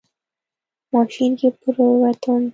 ماشين کې پرېوتم.